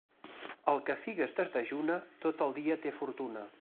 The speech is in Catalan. El que figues desdejuna, tot el dia té fortuna.